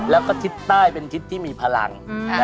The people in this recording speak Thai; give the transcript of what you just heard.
แล้วก็ทิศใต้เป็นทิศที่มีพลัง